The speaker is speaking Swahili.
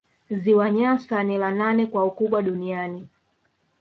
Ziwa Nyasa ni la nane kwa ukubwa duniani